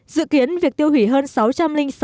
dự kiến việc tiêu hủy hơn sáu trăm linh sáu